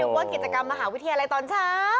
ว่ากิจกรรมมหาวิทยาลัยตอนเช้า